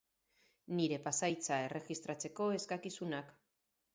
Nire pasahitza erregistratzeko eskakizunak.